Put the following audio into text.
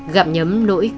gặm nhấm nỗi cố gắng